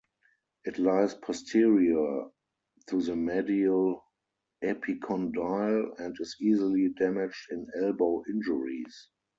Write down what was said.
It lies posterior to the medial epicondyle, and is easily damaged in elbow injuries.